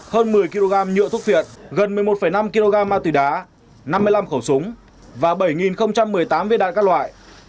hơn một mươi kg nhựa thuốc viện gần một mươi một năm kg ma túy đá năm mươi năm khẩu súng và bảy một mươi tám viên đạn các loại